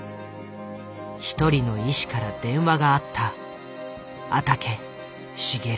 一人の医師から電話があった。